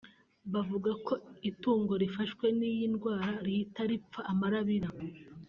Bavuga ko itungo rifashwe n’iyi indwara rihita ripfa amarabira